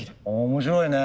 面白いね。